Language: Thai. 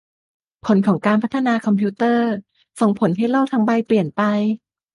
ผลของการพัฒนาคอมพิวเตอร์ ส่งผลให้โลกทั้งใบเปลี่ยนไป